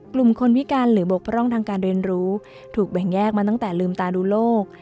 กลุ่มคนวิการหรือบกพร่องทางการเรียนรู้ถูกแบ่งแยกมาตั้งแต่ลืมตาดูโลก